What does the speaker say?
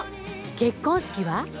結婚式は？